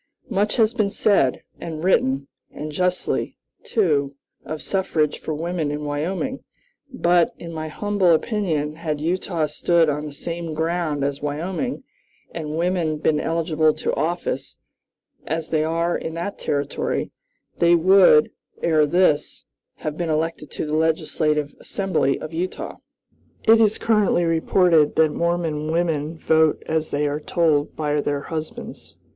"Much has been said and written, and justly, too, of suffrage for women in Wyoming; but, in my humble opinion, had Utah stood on the same ground as Wyoming, and women been eligible to office, as they are in that Territory, they would, ere this, have been elected to the legislative Assembly of Utah. "It is currently reported that Mormon women vote as they are told by their husbands.